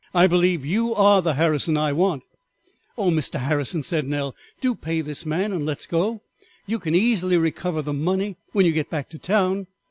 I believe you are the Harrison I want." "Oh, Mr. Harrison," said Nell, "do pay this man and let us go on; you can easily recover the money when you go back to town."